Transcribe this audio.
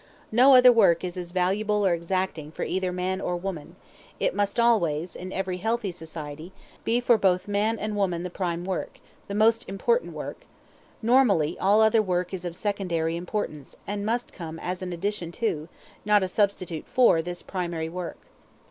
No other work is as valuable or as exacting for either man or woman; it must always, in every healthy society, be for both man and woman the prime work, the most important work; normally all other work is of secondary importance, and must come as an addition to, not a substitute for, this primary work.